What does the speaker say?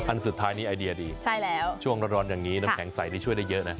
อันสุดท้ายนี่ไอเดียดีใช่แล้วช่วงร้อนอย่างนี้น้ำแข็งใสนี่ช่วยได้เยอะนะ